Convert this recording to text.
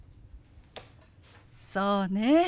そうね。